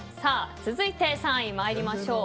続いて３位まいりましょう。